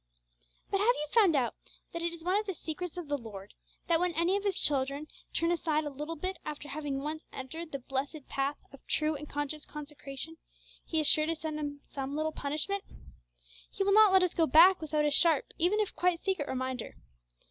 But have you found out that it is one of the secrets of the Lord, that when any of His dear children turn aside a little bit after having once entered the blessed path of true and conscious consecration, He is sure to send them some little punishment? He will not let us go back without a sharp, even if quite secret, reminder.